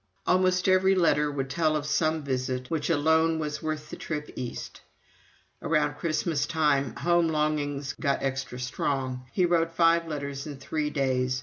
Almost every letter would tell of some one visit which "alone was worth the trip East." Around Christmastime home longings got extra strong he wrote five letters in three days.